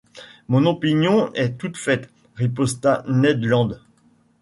Mon opinion est toute faite, riposta Ned Land.